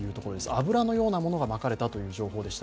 油のようなものがまかれたという情報でした。